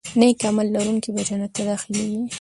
نیک عمل لرونکي به جنت ته داخلېږي.